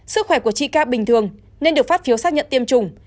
sức khỏe của chị ca bình thường nên được phát phiếu xác nhận tiêm chủng